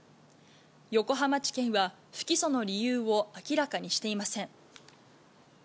横浜地検は不起訴の理由を明らかにしていません。